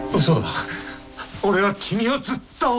俺は君をずっとずっと！